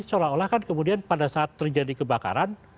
seolah olah kan kemudian pada saat terjadi kebakaran